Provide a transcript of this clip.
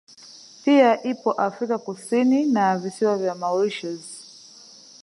Pia ipo Afrika Kusni na visiwa vya Mauritius